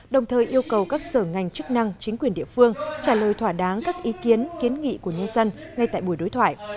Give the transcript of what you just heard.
đồng thời yêu cầu các sở ngành chức năng chính quyền địa phương trả lời thỏa đáng các ý kiến kiến nghị của nhân dân ngay tại buổi đối thoại